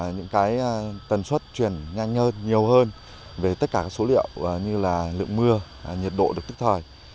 những tần suất truyền nhanh hơn nhiều hơn về tất cả số liệu như lượng mưa nhiệt độ được tức thời